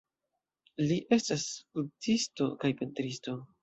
Li estas skulptisto kaj pentristo.